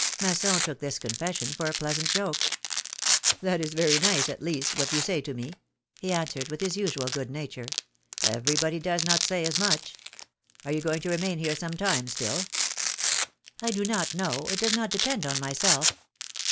Masson took this confession for a pleasant joke. That is very nice, at least, what you say to me ! he answered, with his usual good nature; '^everybody does not say as much. Are you going to remain here some time still ? do not know; it does not depend on myself!